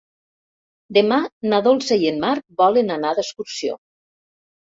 Demà na Dolça i en Marc volen anar d'excursió.